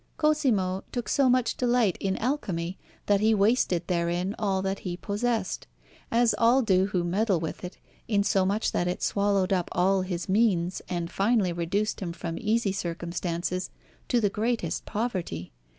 Cosimo took so much delight in alchemy that he wasted therein all that he possessed, as all do who meddle with it, insomuch that it swallowed up all his means and finally reduced him from easy circumstances to the greatest poverty.